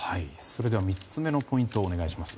３つ目のポイントをお願いします。